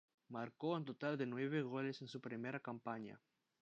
Marcó un total de nueve goles en su primera campaña.